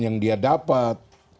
yang dia dapat